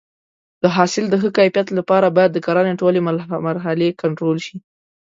د حاصل د ښه کیفیت لپاره باید د کرنې ټولې مرحلې کنټرول شي.